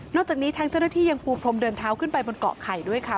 จากนี้ทางเจ้าหน้าที่ยังปูพรมเดินเท้าขึ้นไปบนเกาะไข่ด้วยค่ะ